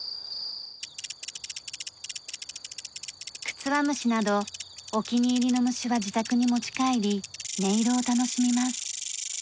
クツワムシなどお気に入りの虫は自宅に持ち帰り音色を楽しみます。